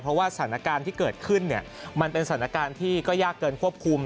เพราะว่าสถานการณ์ที่เกิดขึ้นมันเป็นสถานการณ์ที่ก็ยากเกินควบคุม